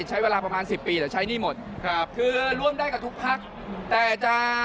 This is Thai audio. ครับมั่นใจขนาดนั้นเลย